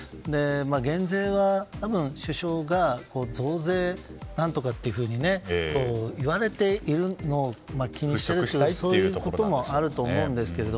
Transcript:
減税は多分、首相が増税何とかというふうに言われているのを気にしているということもあると思いますが。